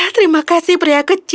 terima kasih pria kecil